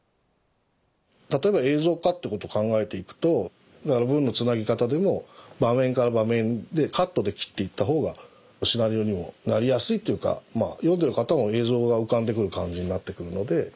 例えば映像化ってこと考えていくと文のつなぎ方でも場面から場面でカットで切っていったほうがシナリオにもなりやすいというか読んでる方も映像が浮かんでくる感じになってくるので。